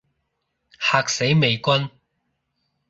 嚇死美軍